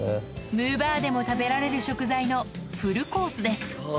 むぅばあでも食べられる食材のフルコースです